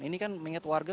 ini kan mengingat warga